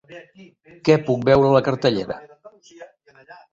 Què puc veure la cartellera